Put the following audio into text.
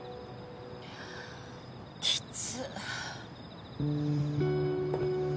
きつ。